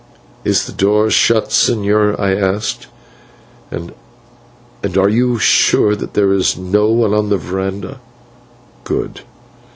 "Is the door shut, señor?" I asked; "and are you sure that there is no one on the verandah? Good!